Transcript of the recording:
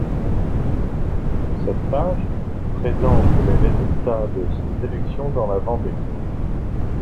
Cette page présente les résultats de ces élections dans la Vendée.